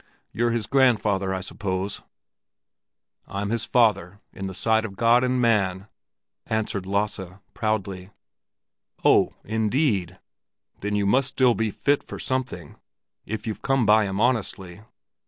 You're his grandfather, I suppose?" "I'm his father—in the sight of God and man," answered Lasse, proudly. "Oh, indeed! Then you must still be fit for something, if you've come by him honestly.